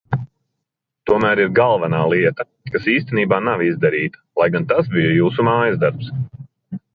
Tomēr ir galvenā lieta, kas īstenībā nav izdarīta, lai gan tas bija jūsu mājasdarbs.